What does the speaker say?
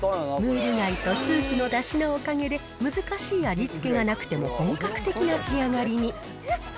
ムール貝とスープのだしのおかげで、難しい味付けがなくても本格的な仕上がりに。